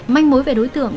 manh mối về đối tượng